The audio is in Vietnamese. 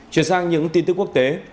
chuyển sang những tin tức quốc tế